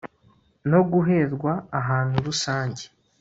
no guhezwa ahantu rusange